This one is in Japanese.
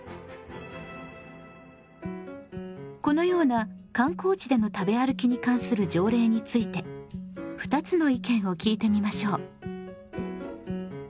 このような観光地での食べ歩きに関する条例について２つの意見を聞いてみましょう。